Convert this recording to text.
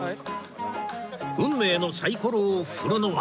運命のサイコロを振るのは